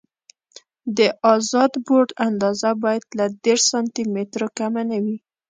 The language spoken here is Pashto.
د ازاد بورډ اندازه باید له دېرش سانتي مترو کمه نه وي